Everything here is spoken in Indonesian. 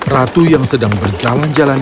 ratu yang sedang berjalan jalan